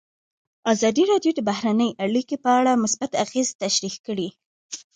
ازادي راډیو د بهرنۍ اړیکې په اړه مثبت اغېزې تشریح کړي.